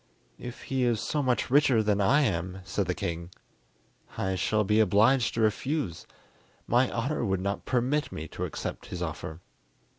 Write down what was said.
"If he is so much richer than I am," said the king, "I shall be obliged to refuse. My honour would not permit me to accept his offer."